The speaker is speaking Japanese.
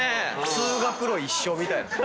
通学路一緒みたいな。